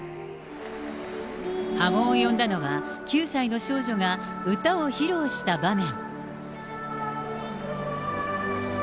波紋を呼んだのは９歳の少女が歌を披露した場面。